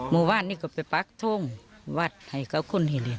เมื่อวานนี้ก็ไปปักทงวัดให้กับคนให้เรียน